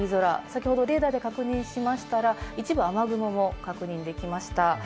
先ほどレーダーで確認しましたら一部、雨雲も確認できました。